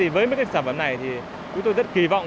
với mấy sản phẩm này thì chúng tôi rất kỳ vọng